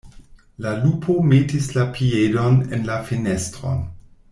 La lupo metis la piedon en la fenestron.